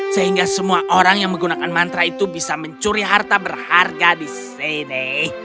sehingga semua orang yang menggunakan mantra itu bisa mencuri harta berharga di sini